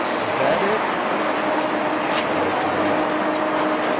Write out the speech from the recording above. Was that it?" Blake nodded.